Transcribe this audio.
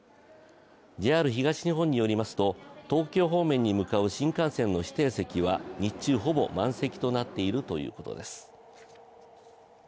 ＪＲ東日本によりますと東京方面に向かう新幹線の指定席は日中ほぼ満席となっているということです。